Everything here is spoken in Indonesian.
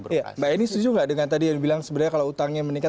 mbak eni setuju nggak dengan tadi yang bilang sebenarnya kalau hutangnya meningkat